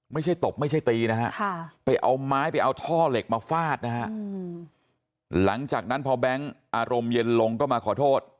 ตบไม่ใช่ตีนะฮะไปเอาไม้ไปเอาท่อเหล็กมาฟาดนะฮะหลังจากนั้นพอแบงค์อารมณ์เย็นลงก็มาขอโทษ